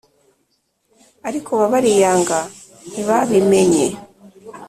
ariko ba bariyanga, ntibabimenye,